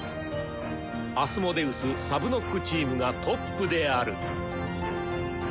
アスモデウスサブノックチームがトップである！